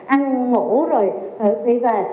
ăn ngủ rồi đi về